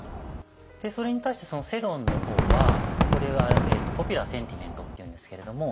それに対して世論の方はこれはポピュラー・センチメントって言うんですけれども。